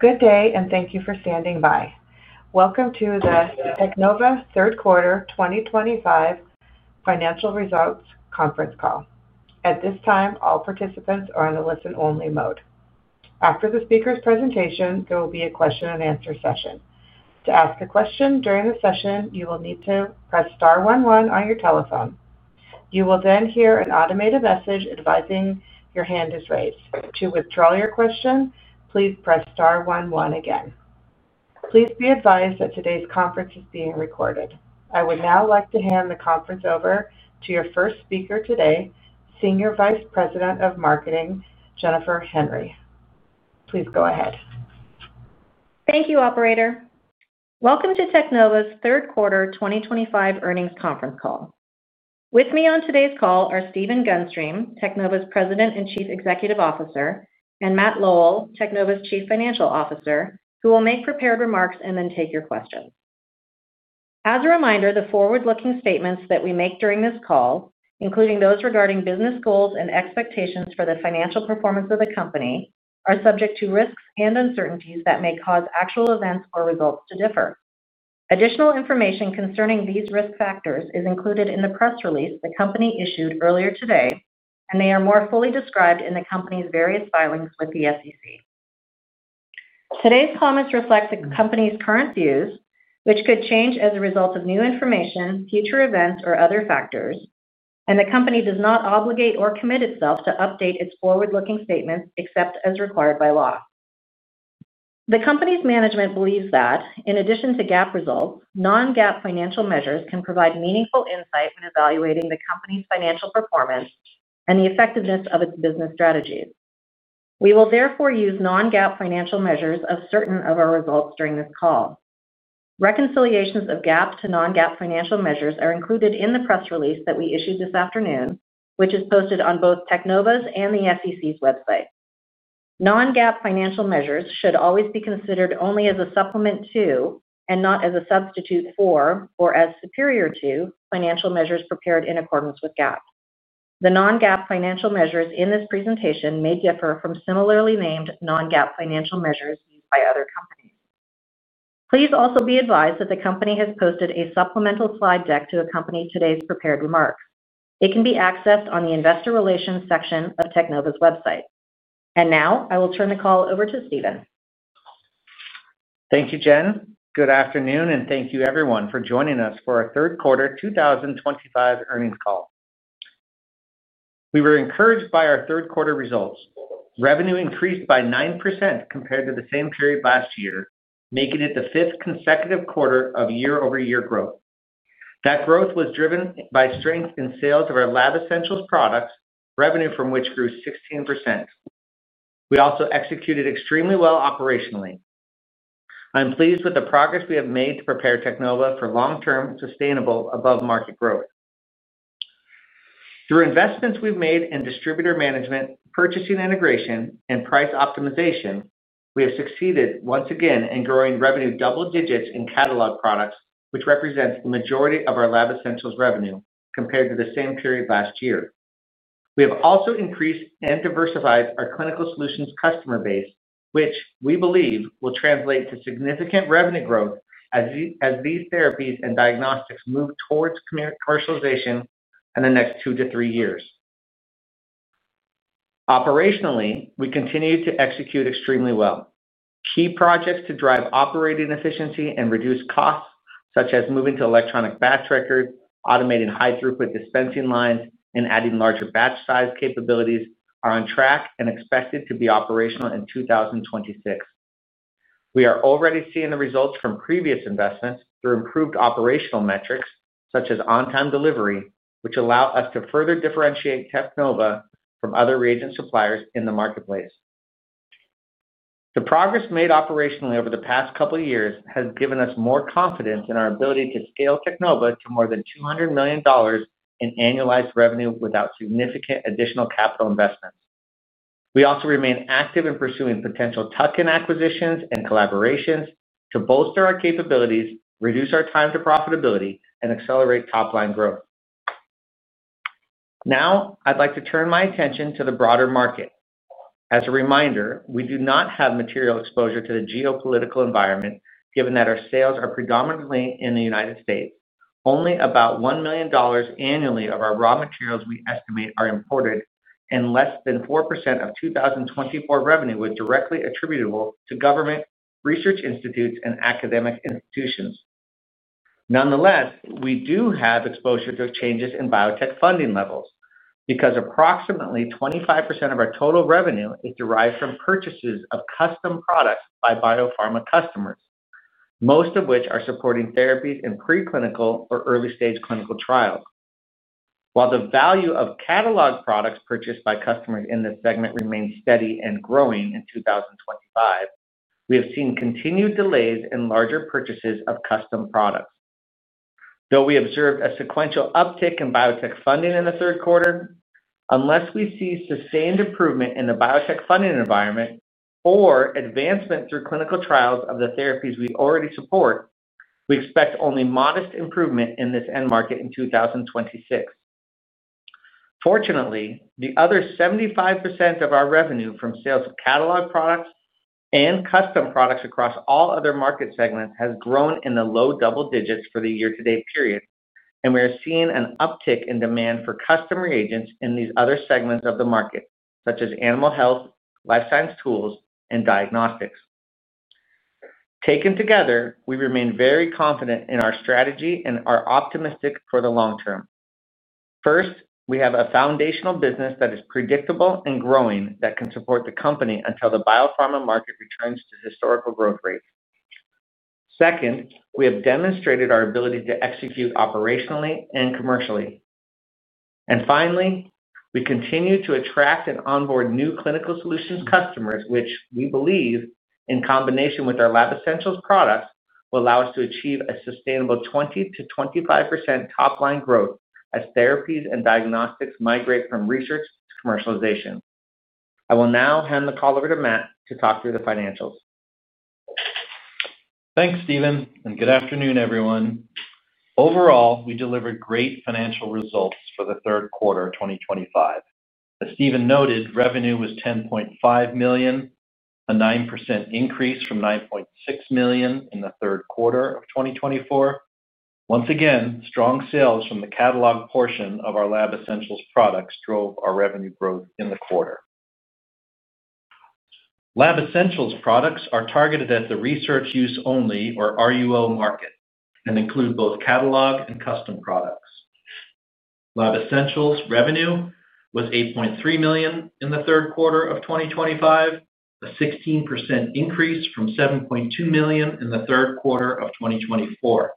Good day, and thank you for standing by. Welcome to the Alpha Teknova third quarter 2025 financial results conference call. At this time, all participants are in the listen-only mode. After the speaker's presentation, there will be a question-and-answer session. To ask a question during the session, you will need to press star one one on your telephone. You will then hear an automated message advising your hand is raised. To withdraw your question, please press star one one again. Please be advised that today's conference is being recorded. I would now like to hand the conference over to your first speaker today, Senior Vice President of Marketing, Jennifer Henry. Please go ahead. Thank you, operator. Welcome to Alpha Teknova's third quarter 2025 earnings conference call. With me on today's call are Stephen Gunstream, Alpha Teknova's President and Chief Executive Officer, and Matt Lowell, Alpha Teknova's Chief Financial Officer, who will make prepared remarks and then take your questions. As a reminder, the forward-looking statements that we make during this call, including those regarding business goals and expectations for the financial performance of the company, are subject to risks and uncertainties that may cause actual events or results to differ. Additional information concerning these risk factors is included in the press release the company issued earlier today, and they are more fully described in the company's various filings with the SEC. Today's comments reflect the company's current views, which could change as a result of new information, future events, or other factors, and the company does not obligate or commit itself to update its forward-looking statements except as required by law. The company's management believes that, in addition to GAAP results, non-GAAP financial measures can provide meaningful insight when evaluating the company's financial performance and the effectiveness of its business strategies. We will therefore use non-GAAP financial measures as certain of our results during this call. Reconciliations of GAAP to non-GAAP financial measures are included in the press release that we issued this afternoon, which is posted on both Alpha Teknova's and the SEC's website. Non-GAAP financial measures should always be considered only as a supplement to, and not as a substitute for, or as superior to, financial measures prepared in accordance with GAAP. The non-GAAP financial measures in this presentation may differ from similarly named non-GAAP financial measures used by other companies. Please also be advised that the company has posted a supplemental slide deck to accompany today's prepared remarks. It can be accessed on the Investor Relations section of Alpha Teknova's website. I will turn the call over to Stephen. Thank you, Jen. Good afternoon, and thank you, everyone, for joining us for our third quarter 2025 earnings call. We were encouraged by our third-quarter results. Revenue increased by 9% compared to the same period last year, making it the fifth consecutive quarter of year-over-year growth. That growth was driven by strength in sales of our Lab Essentials products, revenue from which grew 16%. We also executed extremely well operationally. I'm pleased with the progress we have made to prepare Alpha Teknova for long-term, sustainable, above-market growth. Through investments we've made in distributor management, purchasing integration, and price optimization, we have succeeded once again in growing revenue double digits in catalog products, which represents the majority of our Lab Essentials revenue compared to the same period last year. We have also increased and diversified our Clinical Solutions customer base, which we believe will translate to significant revenue growth as these therapies and diagnostics move towards commercialization in the next two to three years. Operationally, we continue to execute extremely well. Key projects to drive operating efficiency and reduce costs, such as moving to electronic batch records, automating high-throughput dispensing lines, and adding larger batch size capabilities, are on track and expected to be operational in 2026. We are already seeing the results from previous investments through improved operational metrics, such as on-time delivery, which allow us to further differentiate Alpha Teknova from other reagent suppliers in the marketplace. The progress made operationally over the past couple of years has given us more confidence in our ability to scale Alpha Teknova to more than $200 million in annualized revenue without significant additional capital investments. We also remain active in pursuing potential tuck-in acquisitions and collaborations to bolster our capabilities, reduce our time to profitability, and accelerate top-line growth. Now, I'd like to turn my attention to the broader market. As a reminder, we do not have material exposure to the geopolitical environment, given that our sales are predominantly in the United States. Only about $1 million annually of our raw materials we estimate are imported, and less than 4% of 2024 revenue was directly attributable to government, research institutes, and academic institutions. Nonetheless, we do have exposure to changes in biotech funding levels because approximately 25% of our total revenue is derived from purchases of custom products by biopharma customers, most of which are supporting therapies in preclinical or early-stage clinical trials. While the value of catalog products purchased by customers in this segment remains steady and growing in 2025, we have seen continued delays in larger purchases of custom products. Though we observed a sequential uptick in biotech funding in the third quarter, unless we see sustained improvement in the biotech funding environment or advancement through clinical trials of the therapies we already support, we expect only modest improvement in this end market in 2026. Fortunately, the other 75% of our revenue from sales of catalog products and custom products across all other market segments has grown in the low double digits for the year-to-date period, and we are seeing an uptick in demand for custom reagents in these other segments of the market, such as animal health, life science tools, and diagnostics. Taken together, we remain very confident in our strategy and are optimistic for the long term. First, we have a foundational business that is predictable and growing that can support the company until the biopharma market returns to historical growth rates. Second, we have demonstrated our ability to execute operationally and commercially. Finally, we continue to attract and onboard new Clinical Solutions customers, which we believe, in combination with our Lab Essentials products, will allow us to achieve a sustainable 20%-25% top-line growth as therapies and diagnostics migrate from research to commercialization. I will now hand the call over to Matt to talk through the financials. Thanks, Stephen, and good afternoon, everyone. Overall, we delivered great financial results for the third quarter of 2025. As Stephen noted, revenue was $10.5 million, a 9% increase from $9.6 million in the third quarter of 2024. Once again, strong sales from the catalog portion of our Lab Essentials products drove our revenue growth in the quarter. Lab Essentials products are targeted at the research use only or RUO market and include both catalog and custom products. Lab Essentials revenue was $8.3 million in the third quarter of 2025, a 16% increase from $7.2 million in the third quarter of 2024.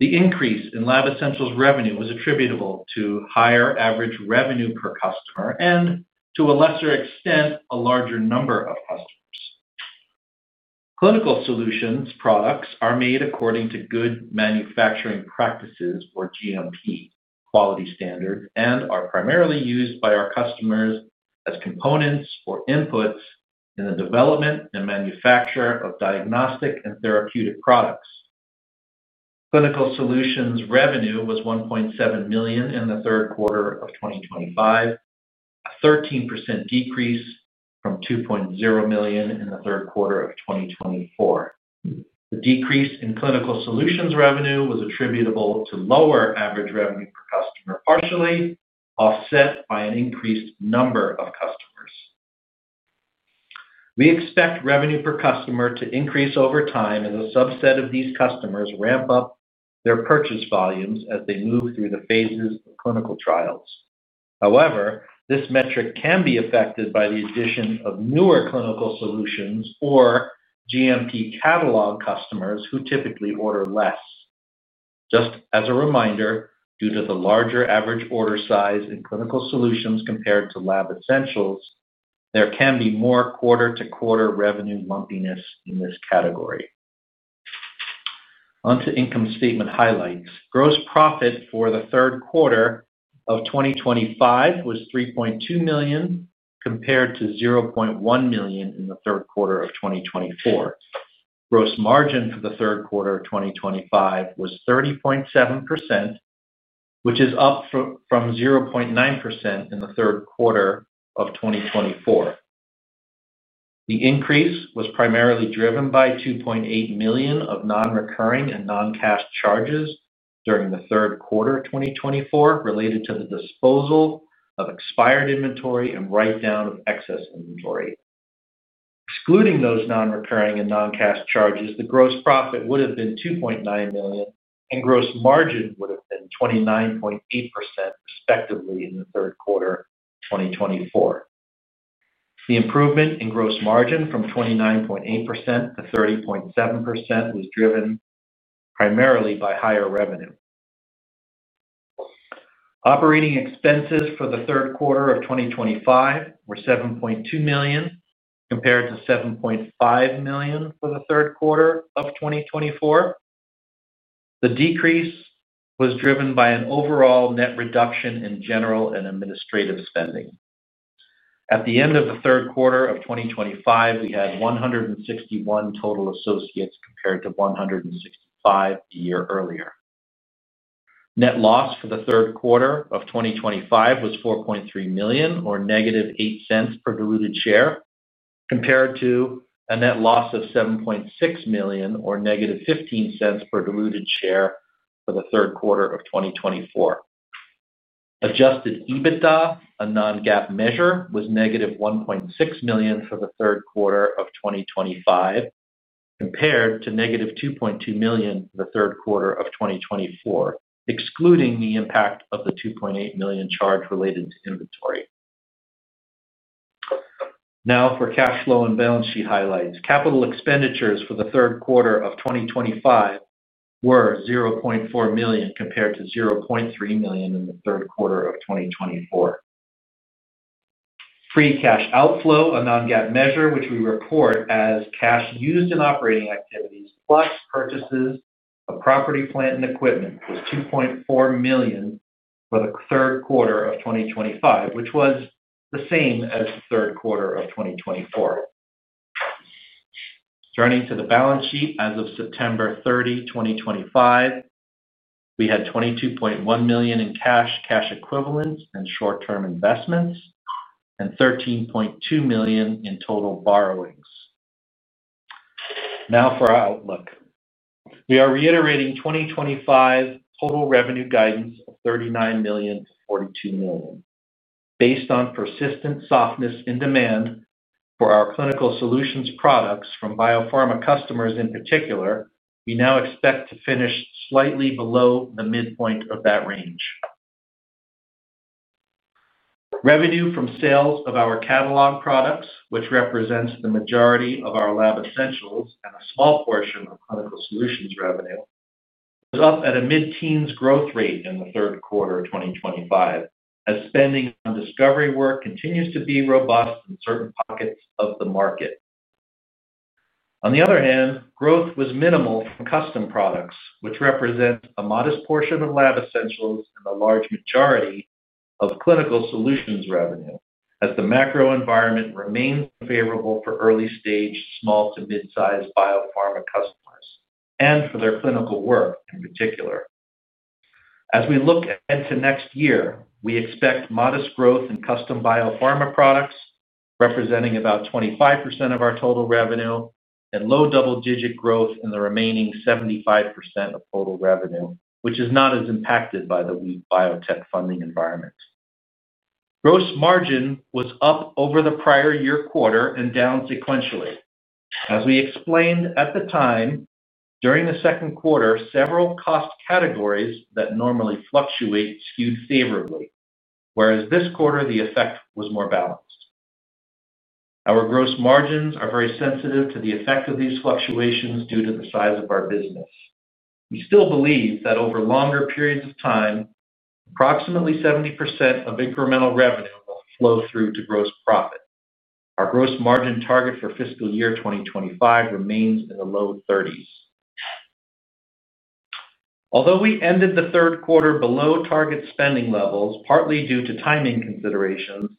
The increase in Lab Essentials revenue was attributable to higher average revenue per customer and, to a lesser extent, a larger number of customers. Clinical solutions products are made according to Good Manufacturing Practices, or GMP, quality standards and are primarily used by our customers as components or inputs in the development and manufacture of diagnostic and therapeutic products. Clinical solutions revenue was $1.7 million in the third quarter of 2025, a 13% decrease from $2.0 million in the third quarter of 2024. The decrease in clinical solutions revenue was attributable to lower average revenue per customer, partially offset by an increased number of customers. We expect revenue per customer to increase over time as a subset of these customers ramp up their purchase volumes as they move through the phases of clinical trials. However, this metric can be affected by the addition of newer clinical solutions or GMP catalog customers who typically order less. Just as a reminder, due to the larger average order size in Clinical Solutions compared to Lab Essentials, there can be more quarter-to-quarter revenue lumpiness in this category. Onto income statement highlights. Gross profit for the third quarter of 2025 was $3.2 million compared to $0.1 million in the third quarter of 2024. Gross margin for the third quarter of 2025 was 30.7%, which is up from 0.9% in the third quarter of 2024. The increase was primarily driven by $2.8 million of non-recurring and non-cash charges during the third quarter of 2024 related to the disposal of expired inventory and write-down of excess inventory. Excluding those non-recurring and non-cash charges, the gross profit would have been $2.9 million and gross margin would have been 29.8% respectively in the third quarter of 2024. The improvement in gross margin from 29.8% to 30.7% was driven primarily by higher revenue. Operating expenses for the third quarter of 2025 were $7.2 million compared to $7.5 million for the third quarter of 2024. The decrease was driven by an overall net reduction in general and administrative spending. At the end of the third quarter of 2025, we had 161 total associates compared to 165 a year earlier. Net loss for the third quarter of 2025 was $4.3 million or negative $0.08 per diluted share compared to a net loss of $7.6 million or negative $0.15 per diluted share for the third quarter of 2024. Adjusted EBITDA, a non-GAAP measure, was negative $1.6 million for the third quarter of 2025 compared to negative $2.2 million for the third quarter of 2024, excluding the impact of the $2.8 million charge related to inventory. Now, for cash flow and balance sheet highlights, capital expenditures for the third quarter of 2025. Were $0.4 million compared to $0.3 million in the third quarter of 2024. Free cash outflow, a non-GAAP measure, which we report as cash used in operating activities plus purchases of property, plant, and equipment, was $2.4 million for the third quarter of 2025, which was the same as the third quarter of 2024. Turning to the balance sheet as of September 30, 2025, we had $22.1 million in cash, cash equivalents, and short-term investments, and $13.2 million in total borrowings. Now for our outlook. We are reiterating 2025 total revenue guidance of $39 million-$42 million based on persistent softness in demand for our clinical solutions products from biopharma customers in particular. We now expect to finish slightly below the midpoint of that range. Revenue from sales of our catalog products, which represents the majority of our Lab Essentials and a small portion of Clinical Solutions revenue, was up at a mid-teens growth rate in the third quarter of 2025 as spending on discovery work continues to be robust in certain pockets of the market. On the other hand, growth was minimal from custom products, which represents a modest portion of Lab Essentials and the large majority of Clinical Solutions revenue, as the macro environment remains favorable for early-stage, small to mid-sized biopharma customers and for their clinical work in particular. As we look into next year, we expect modest growth in custom biopharma products, representing about 25% of our total revenue, and low double-digit growth in the remaining 75% of total revenue, which is not as impacted by the weak biotech funding environment. Gross margin was up over the prior year quarter and down sequentially. As we explained at the time, during the second quarter, several cost categories that normally fluctuate skewed favorably, whereas this quarter the effect was more balanced. Our gross margins are very sensitive to the effect of these fluctuations due to the size of our business. We still believe that over longer periods of time, approximately 70% of incremental revenue will flow through to gross profit. Our gross margin target for fiscal year 2025 remains in the low 30s. Although we ended the third quarter below target spending levels, partly due to timing considerations,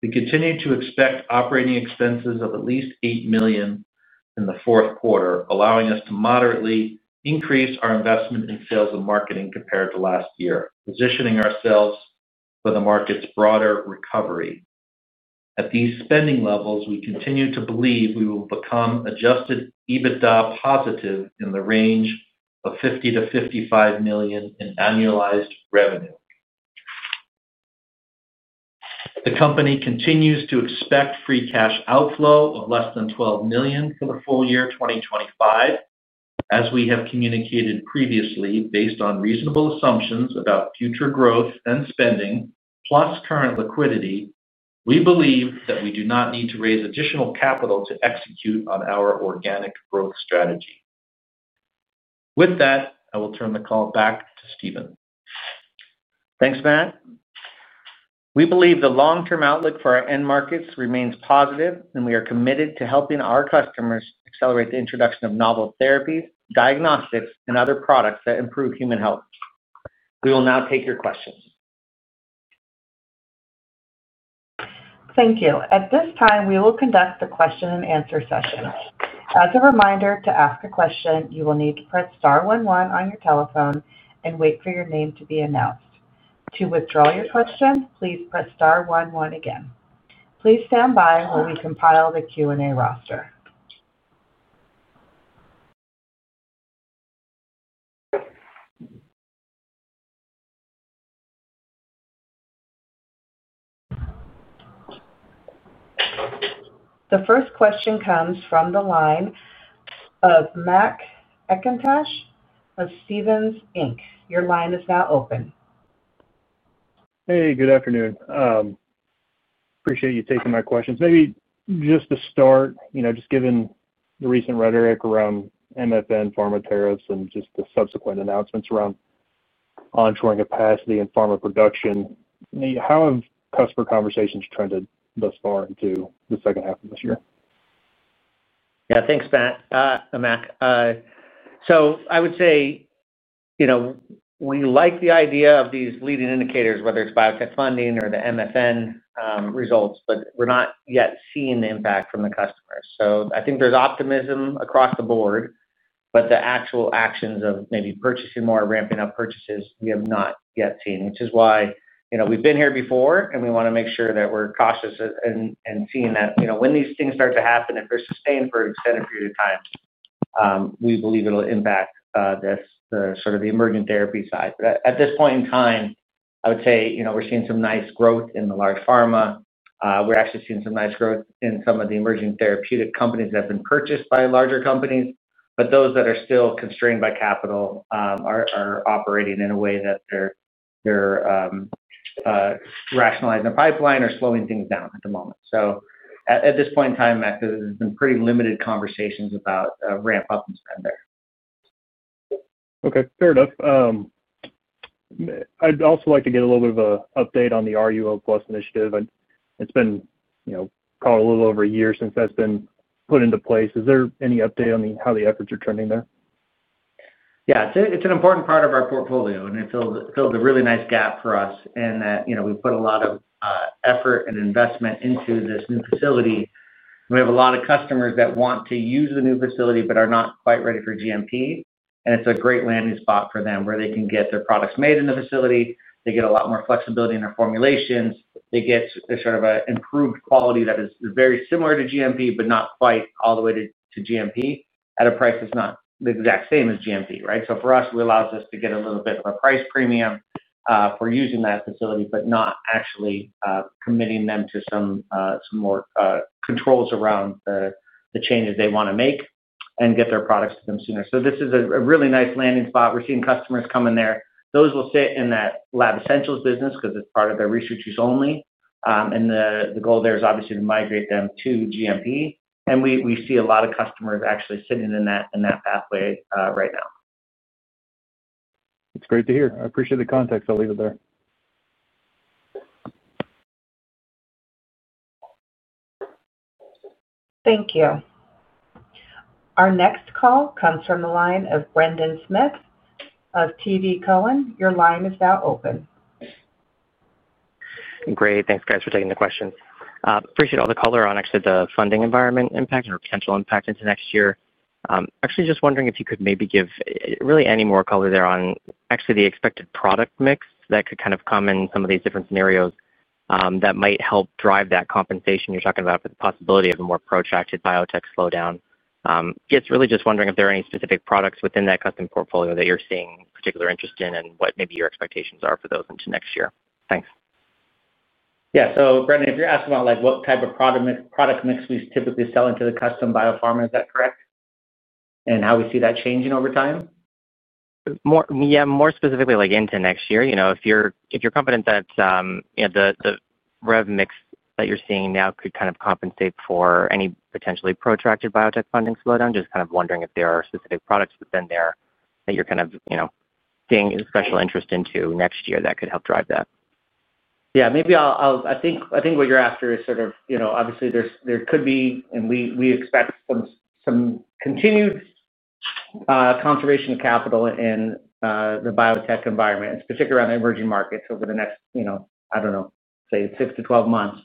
we continue to expect operating expenses of at least $8 million in the fourth quarter, allowing us to moderately increase our investment in sales and marketing compared to last year, positioning ourselves for the market's broader recovery. At these spending levels, we continue to believe we will become Adjusted EBITDA positive in the range of $50 million-$55 million in annualized revenue. The company continues to expect free cash outflow of less than $12 million for the full year 2025. As we have communicated previously, based on reasonable assumptions about future growth and spending plus current liquidity, we believe that we do not need to raise additional capital to execute on our organic growth strategy. With that, I will turn the call back to Stephen. Thanks, Matt. We believe the long-term outlook for our end markets remains positive, and we are committed to helping our customers accelerate the introduction of novel therapies, diagnostics, and other products that improve human health. We will now take your questions. Thank you. At this time, we will conduct the question-and-answer session. As a reminder, to ask a question, you will need to press star one one on your telephone and wait for your name to be announced. To withdraw your question, please press star one one again. Please stand by while we compile the Q&A roster. The first question comes from the line of Mac Etoch of Stephens, Inc. Your line is now open. Hey, good afternoon. Appreciate you taking my questions. Maybe just to start, just given the recent rhetoric around MFN Pharma Tariffs and just the subsequent announcements around onshoring capacity and pharma production. How have customer conversations trended thus far into the second half of this year? Yeah, thanks, Mac. I would say we like the idea of these leading indicators, whether it's biotech funding or the MFN results, but we're not yet seeing the impact from the customers. I think there's optimism across the board, but the actual actions of maybe purchasing more or ramping up purchases, we have not yet seen, which is why we've been here before and we want to make sure that we're cautious and seeing that when these things start to happen, if they're sustained for an extended period of time, we believe it'll impact the sort of the emerging therapy side. At this point in time, I would say we're seeing some nice growth in the large pharma. We're actually seeing some nice growth in some of the emerging therapeutic companies that have been purchased by larger companies, but those that are still constrained by capital are operating in a way that they're rationalizing their pipeline or slowing things down at the moment. At this point in time, Matt, there have been pretty limited conversations about ramp-up and spend there. Okay, fair enough. I'd also like to get a little bit of an update on the RUO Plus initiative. It's been a little over a year since that's been put into place. Is there any update on how the efforts are trending there? Yeah, it's an important part of our portfolio, and it fills a really nice gap for us in that we put a lot of effort and investment into this new facility. We have a lot of customers that want to use the new facility but are not quite ready for GMP, and it's a great landing spot for them where they can get their products made in the facility. They get a lot more flexibility in their formulations. They get sort of an improved quality that is very similar to GMP but not quite all the way to GMP at a price that's not the exact same as GMP, right? For us, it allows us to get a little bit of a price premium for using that facility but not actually committing them to some more controls around the changes they want to make and get their products to them sooner. This is a really nice landing spot. We're seeing customers come in there. Those will sit in that Lab Essentials business because it's part of their research use only. The goal there is obviously to migrate them to GMP. We see a lot of customers actually sitting in that pathway right now. That's great to hear. I appreciate the context. I'll leave it there. Thank you. Our next call comes from the line of Brendan Smith of TD Cowen, your line is now open. Great. Thanks, guys, for taking the questions. Appreciate all the color on actually the funding environment impact or potential impact into next year. Actually, just wondering if you could maybe give really any more color there on actually the expected product mix that could kind of come in some of these different scenarios that might help drive that compensation you're talking about for the possibility of a more protracted biotech slowdown. Just really just wondering if there are any specific products within that custom portfolio that you're seeing particular interest in and what maybe your expectations are for those into next year. Thanks. Yeah. Brendan, if you're asking about what type of product mix we typically sell into the custom biopharma, is that correct? And how we see that changing over time? Yeah, more specifically into next year. If you're confident that the rev mix that you're seeing now could kind of compensate for any potentially protracted biotech funding slowdown, just kind of wondering if there are specific products within there that you're kind of seeing special interest into next year that could help drive that. Yeah, maybe I think what you're after is sort of obviously there could be, and we expect some continued conservation of capital in the biotech environment, especially around emerging markets over the next, I don't know, say 6-12 months.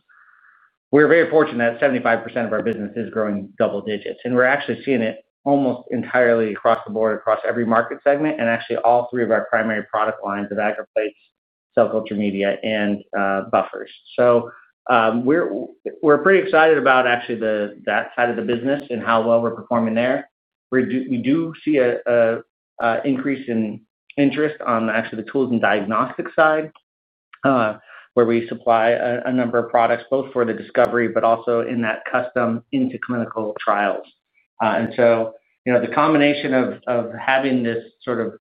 We're very fortunate that 75% of our business is growing double digits, and we're actually seeing it almost entirely across the board, across every market segment, and actually all three of our primary product lines of agar plates, cell culture media, and buffers. We're pretty excited about actually that side of the business and how well we're performing there. We do see an increase in interest on actually the tools and diagnostic side, where we supply a number of products both for the discovery but also in that custom into clinical trials. The combination of having this sort of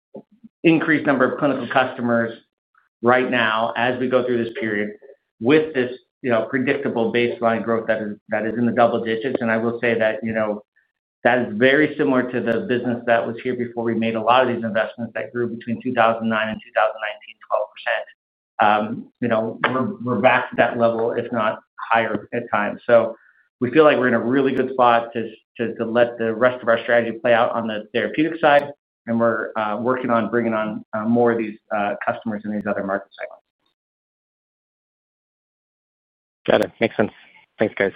increased number of clinical customers right now as we go through this period with this predictable baseline growth that is in the double digits, and I will say that is very similar to the business that was here before we made a lot of these investments that grew between 2009 and 2019, 12%. We are back to that level, if not higher at times. We feel like we are in a really good spot to let the rest of our strategy play out on the therapeutic side, and we are working on bringing on more of these customers in these other market segments. Got it. Makes sense. Thanks, guys.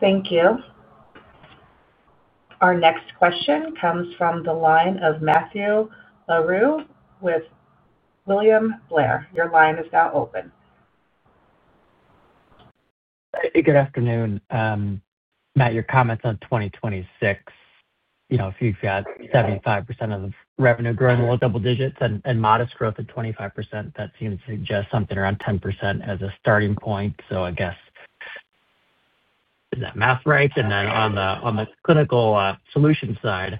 Thank you. Our next question comes from the line of Matthew Larew with William Blair. Your line is now open. Good afternoon. Matt, your comments on 2026. If you've got 75% of the revenue growing below double digits and modest growth at 25%, that seems to suggest something around 10% as a starting point. So I guess. Is that math right? And then on the clinical solution side,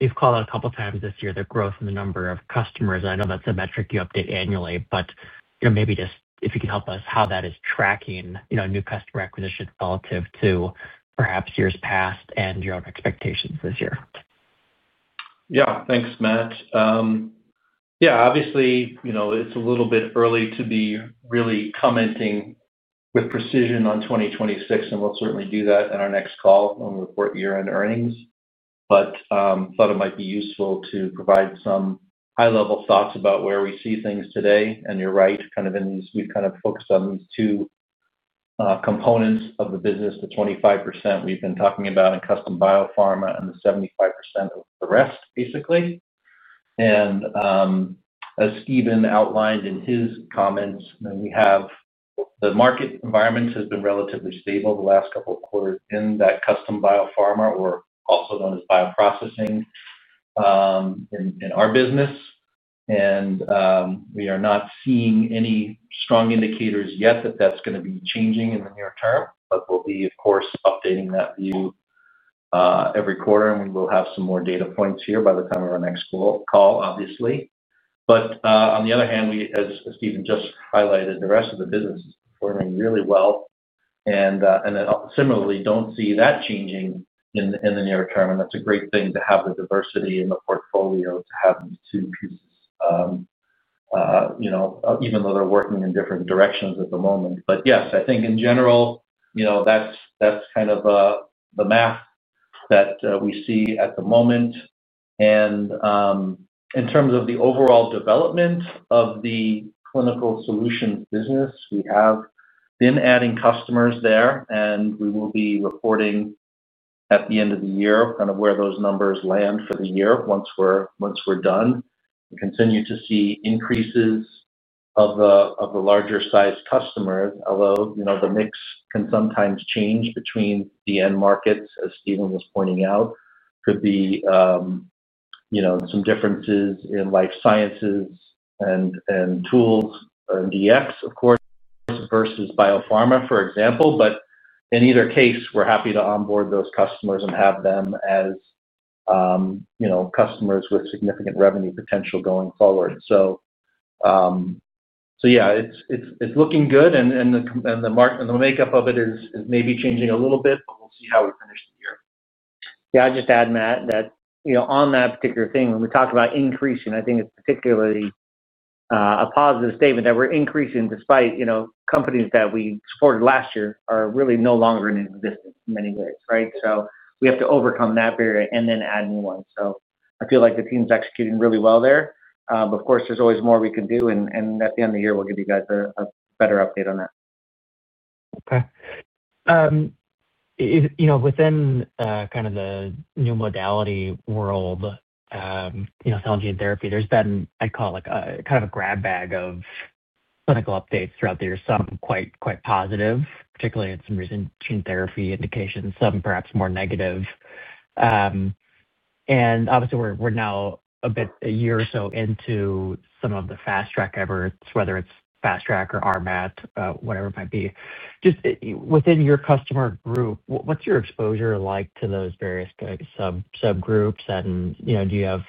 you've called out a couple of times this year the growth in the number of customers. I know that's a metric you update annually, but maybe just if you can help us how that is tracking new customer acquisition relative to perhaps years past and your own expectations this year. Yeah, thanks, Matt. Yeah, obviously, it's a little bit early to be really commenting with precision on 2026, and we'll certainly do that in our next call on report year-end earnings. I thought it might be useful to provide some high-level thoughts about where we see things today. You're right, kind of in these we've kind of focused on these two components of the business, the 25% we've been talking about in custom biopharma and the 75% of the rest, basically. As Stephen outlined in his comments, we have the market environment has been relatively stable the last couple of quarters in that custom biopharma, or also known as bioprocessing, in our business. We are not seeing any strong indicators yet that that's going to be changing in the near term, but we'll be, of course, updating that view. Every quarter, and we will have some more data points here by the time of our next call, obviously. On the other hand, as Stephen just highlighted, the rest of the business is performing really well. Similarly, do not see that changing in the near term. That is a great thing to have the diversity in the portfolio to have these two pieces, even though they are working in different directions at the moment. Yes, I think in general, that is kind of the math that we see at the moment. In terms of the overall development of the Clinical Solutions business, we have been adding customers there, and we will be reporting at the end of the year kind of where those numbers land for the year once we are done. We continue to see increases of the larger-sized customers, although the mix can sometimes change between the end markets, as Stephen was pointing out. Could be some differences in life sciences and tools and DX, of course, versus biopharma, for example. In either case, we're happy to onboard those customers and have them as customers with significant revenue potential going forward. Yeah, it's looking good, and the makeup of it is maybe changing a little bit, but we'll see how we finish the year. Yeah, I'd just add, Matt, that on that particular thing, when we talk about increasing, I think it's particularly a positive statement that we're increasing despite companies that we supported last year are really no longer in existence in many ways, right? We have to overcome that barrier and then add new ones. I feel like the team's executing really well there. Of course, there's always more we can do, and at the end of the year, we'll give you guys a better update on that. Okay. Within kind of the new modality world of gene therapy, there's been, I'd call it, kind of a grab bag of clinical updates throughout the year. Some quite positive, particularly in some recent gene therapy indications, some perhaps more negative. Obviously, we're now a year or so into some of the fast track efforts, whether it's fast track or RMAT, whatever it might be. Just within your customer group, what's your exposure like to those various subgroups? Do you have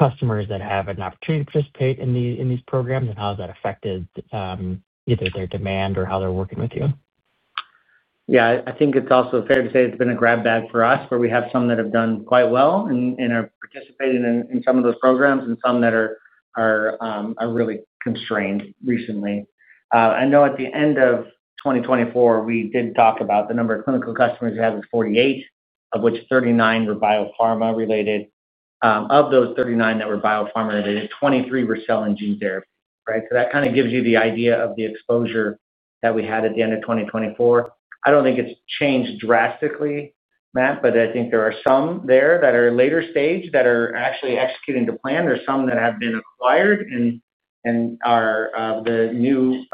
customers that have an opportunity to participate in these programs, and how has that affected either their demand or how they're working with you? Yeah, I think it's also fair to say it's been a grab bag for us where we have some that have done quite well and are participating in some of those programs and some that are really constrained recently. I know at the end of 2024, we did talk about the number of clinical customers we have is 48, of which 39 were biopharma related. Of those 39 that were biopharma related, 23 were selling gene therapy, right? So that kind of gives you the idea of the exposure that we had at the end of 2024. I don't think it's changed drastically, Matt, but I think there are some there that are later stage that are actually executing the plan. There are some that have been acquired and the new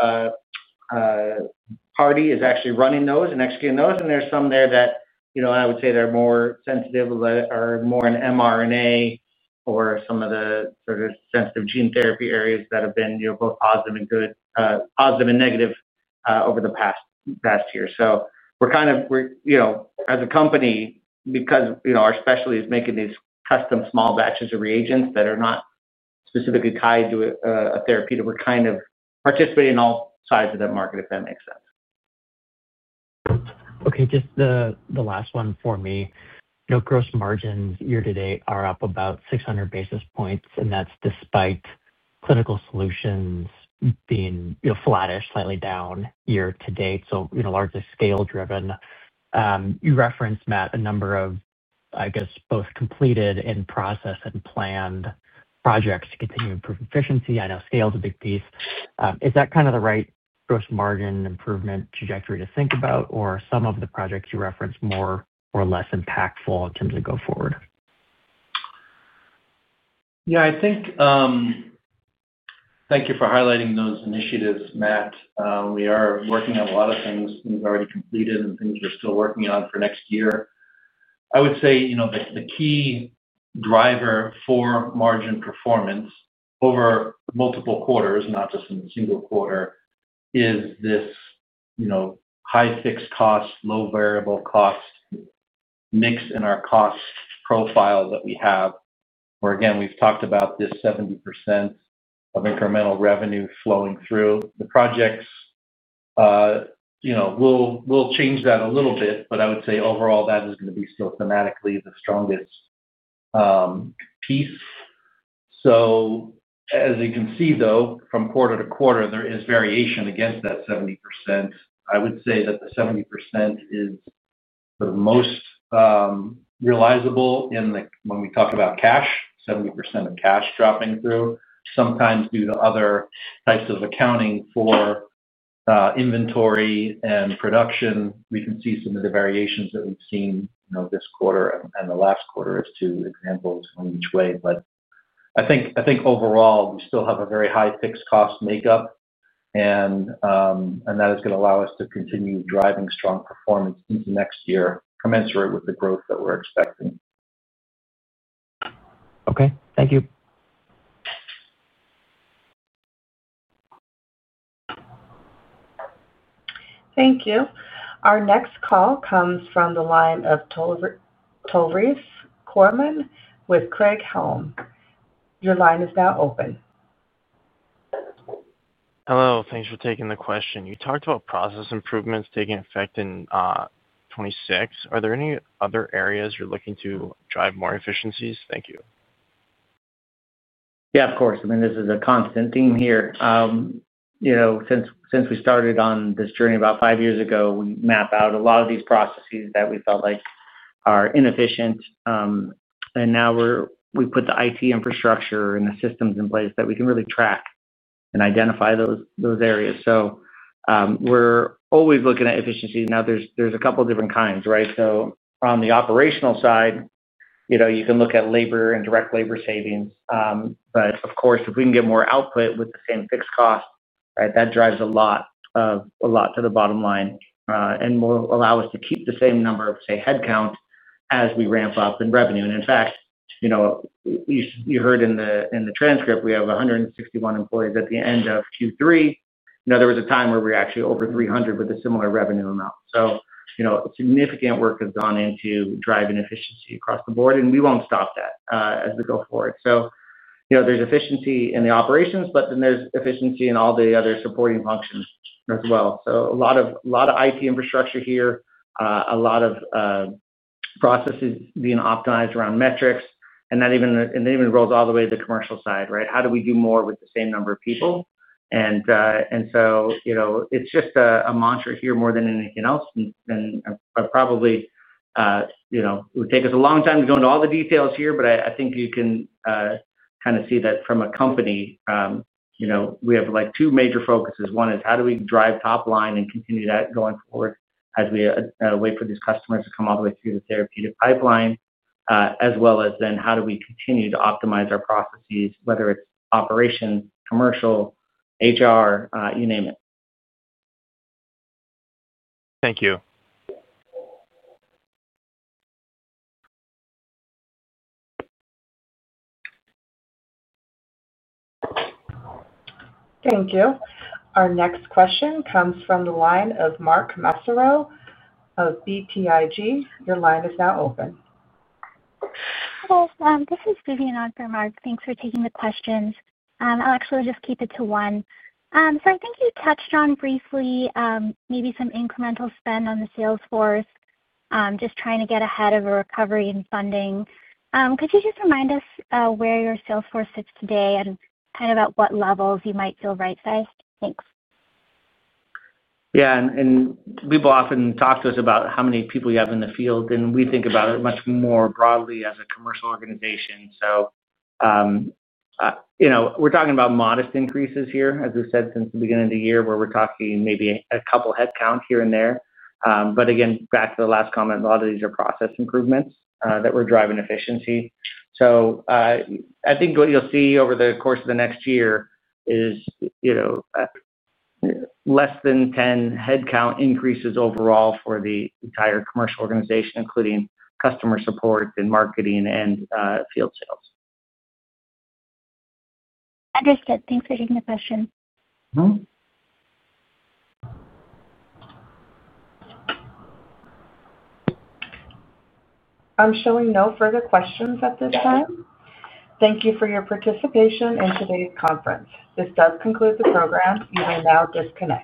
party is actually running those and executing those. There are some there that I would say are more sensitive, are more in mRNA or some of the sort of sensitive gene therapy areas that have been both positive and negative over the past year. We are kind of, as a company, because our specialty is making these custom small batches of reagents that are not specifically tied to a therapeutic, we are kind of participating in all sides of that market, if that makes sense. Okay. Just the last one for me. Gross margins year to date are up about 600 basis points, and that's despite clinical solutions being flattish, slightly down year to date. So largely scale-driven. You referenced, Matt, a number of, I guess, both completed and processed and planned projects to continue improving efficiency. I know scale is a big piece. Is that kind of the right gross margin improvement trajectory to think about, or are some of the projects you referenced more or less impactful in terms of go forward? Yeah, I think. Thank you for highlighting those initiatives, Matt. We are working on a lot of things we've already completed and things we're still working on for next year. I would say the key driver for margin performance over multiple quarters, not just in a single quarter, is this. High fixed cost, low variable cost. Mix in our cost profile that we have, where again, we've talked about this 70% of incremental revenue flowing through the projects. We'll change that a little bit, but I would say overall, that is going to be still thematically the strongest piece. As you can see, though, from quarter to quarter, there is variation against that 70%. I would say that the 70% is the most reliable when we talk about cash, 70% of cash dropping through, sometimes due to other types of accounting for inventory and production. We can see some of the variations that we've seen this quarter and the last quarter as two examples in each way. I think overall, we still have a very high fixed cost makeup. That is going to allow us to continue driving strong performance into next year, commensurate with the growth that we're expecting. Okay. Thank you. Thank you. Our next call comes from the line of Tollef Kohrman with Craig-Hallum. Your line is now open. Hello. Thanks for taking the question. You talked about process improvements taking effect in 2026. Are there any other areas you're looking to drive more efficiencies? Thank you. Yeah, of course. I mean, this is a constant theme here. Since we started on this journey about five years ago, we map out a lot of these processes that we felt like are inefficient. And now we put the IT infrastructure and the systems in place that we can really track and identify those areas. We're always looking at efficiencies. Now, there's a couple of different kinds, right? On the operational side, you can look at labor and direct labor savings. Of course, if we can get more output with the same fixed cost, that drives a lot to the bottom line and will allow us to keep the same number of, say, headcount as we ramp up in revenue. In fact, you heard in the transcript, we have 161 employees at the end of Q3. There was a time where we were actually over 300 with a similar revenue amount. Significant work has gone into driving efficiency across the board, and we will not stop that as we go forward. There is efficiency in the operations, but then there is efficiency in all the other supporting functions as well. A lot of IT infrastructure here, a lot of processes being optimized around metrics, and that even rolls all the way to the commercial side, right? How do we do more with the same number of people? It is just a mantra here more than anything else. It would take us a long time to go into all the details here, but I think you can kind of see that from a company. We have two major focuses. One is how do we drive top line and continue that going forward as we wait for these customers to come all the way through the therapeutic pipeline, as well as then how do we continue to optimize our processes, whether it is operations, commercial, HR, you name it. Thank you. Thank you. Our next question comes from the line of Mark Masero of BTIG. Your line is now open. Hi, guys. This is Vivian on for Mark. Thanks for taking the questions. I'll actually just keep it to one. I think you touched on briefly maybe some incremental spend on the Salesforce, just trying to get ahead of a recovery in funding. Could you just remind us where your Salesforce sits today and kind of at what levels you might feel right-sized? Thanks. Yeah. People often talk to us about how many people you have in the field, and we think about it much more broadly as a commercial organization. We're talking about modest increases here, as we said, since the beginning of the year, where we're talking maybe a couple of headcount here and there. Again, back to the last comment, a lot of these are process improvements that we're driving efficiency. I think what you'll see over the course of the next year is less than 10 headcount increases overall for the entire commercial organization, including customer support and marketing and field sales. Understood. Thanks for taking the question. I'm showing no further questions at this time. Thank you for your participation in today's conference. This does conclude the program. You may now disconnect.